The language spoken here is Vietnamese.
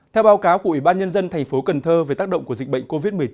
theo báo cáo của ủy ban nhân dân tp cn về tác động của dịch bệnh covid một mươi chín